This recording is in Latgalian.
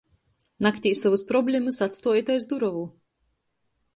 Naktī sovys problemis atstuojit aiz durovu!